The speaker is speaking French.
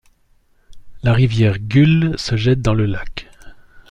La rivière Gull se jette dans le lac.